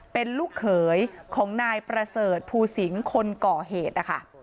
เป็นลูกเขยของนายประเสริฐภูสิงศ์คนก่อเหตุนะคะ